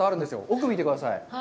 奥を見てください。